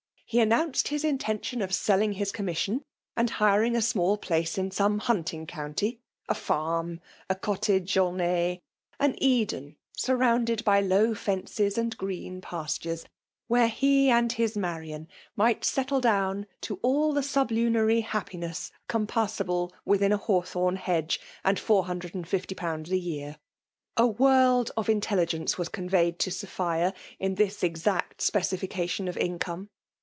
He announced his intention. of selling his commission, and hiring a small place in some hunting county, — a farm,— a. cotU^ ome^ — an Eden surrounded by low feufces a^id green pastures ; where he and his Marian might settle down to all the sublunary luq^inesB compassable within a hawthorn hedge and four hundred and . fifty pounds a year. A world of intelligence was. conveyed U> Sophia in this exact specification. of income.